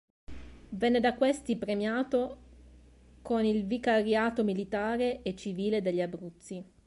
Venne da questi premiato con il vicariato militare e civile degli Abruzzi.